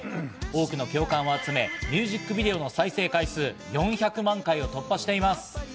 多くの共感を集め、ミュージックビデオの再生回数４００万回を突破しています。